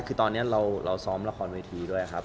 คือตอนนี้เราซ้อมละครเวทีด้วยครับ